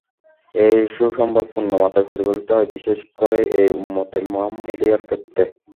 এই সুসংবাদ পূর্ণ মাত্রায় প্রতিফলিত হয়, বিশেষ করে এই উম্মতে মুহাম্মদিয়ার ক্ষেত্রে।